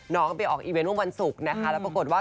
เขาไปออกอีเวนต์วันวันศุกร์นะคะแล้วปรากฏว่า